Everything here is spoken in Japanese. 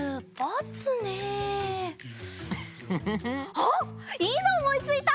あっいいのおもいついた！